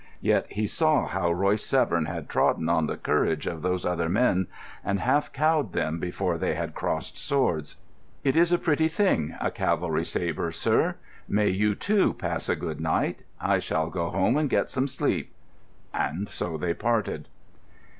Yet he saw how Royce Severn had trodden on the courage of those other men, and half cowed them before they had crossed swords. "It is a pretty thing, a cavalry sabre, sir. May you, too, pass a good night. I shall go home and get some sleep." And so they parted.